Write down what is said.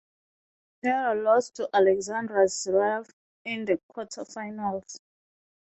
Nadal lost to Alexander Zverev in the quarterfinals.